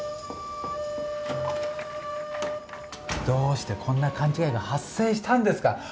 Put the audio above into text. どうしてこんな勘違いが発生したんですか。